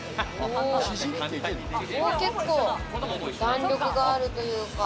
結構、弾力があるというか。